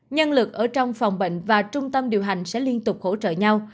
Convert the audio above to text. nhân lực ở trong phòng bệnh và trung tâm điều hành sẽ liên tục hỗ trợ nhau